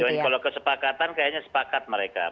iya pengajuan kalau kesepakatan kayaknya sepakat mereka